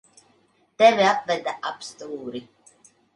Tevi apveda ap stūri.